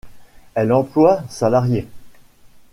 Elle emploie salariés.